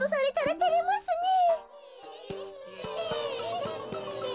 てれますねえ。